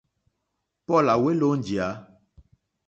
Paul à hwélō njìyá.